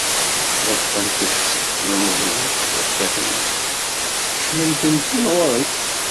Rufqent- tt tlemẓiyin, tirfiqin-is, skecmen-tent-in ɣur-k.